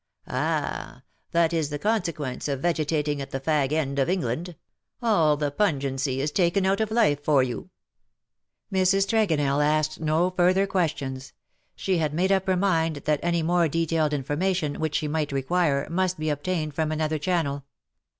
" Ah ! that is the consequence of vegetating: at the fag end of England : all the pungency is taken out of life for you." VOL. I. R 242 LE SECRET DE POLICHINELLE. Mrs. Tregonell asked no further questions. She had made up her mind that any more detailed in formation, which she might require, must be obtained from another channel.